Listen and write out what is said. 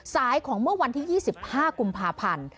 สายของเมื่อวันที่๒๕กุมภาพันธ์